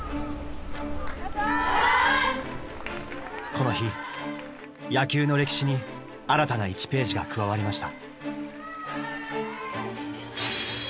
この日野球の歴史に新たな１ページが加わりました。